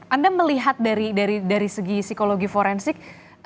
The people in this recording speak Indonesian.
anda melihat dari segi psikologi forensik